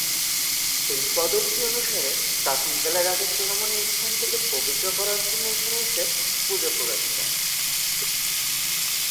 কিংবদন্তি অনুসারে, প্রাচীনকালে রাজা সলোমন এই স্থানটিকে পবিত্র করার জন্য এখানে এসে পূজা করেছিলেন।